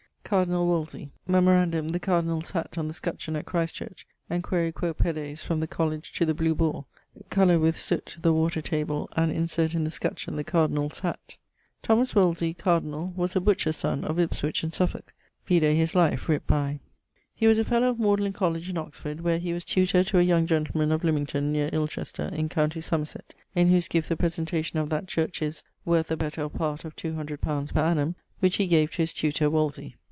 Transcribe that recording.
Cardinal Woolsey: Memorandum the Cardinal's hat on the scutcheon at Christ Church: and quaere quot pedes from the College to the Blew boare; colour with soote the water table, and insert in the scutcheon the Cardinal's hat. Thomas Wolsey[CV], Cardinal, was a butcher's son, of Ipswych, in Suffolke; vide his Life, writt by.... He was a fellowe of Magdalen Colledge in Oxford, where he was tutor to a young gentleman of Limmington, near Ilchester, in com. Somerset, in whose guift the presentation of that church is, worth the better part of 200 li. per annum, which he gave to his tutor, Wolsey.